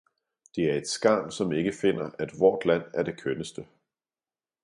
Det er et skarn, som ikke finder at vort land er det kønneste!